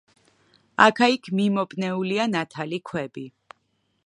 აქა-იქ მიმობნეულია ნათალი ქვები.